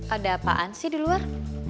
ada apaan sih di luar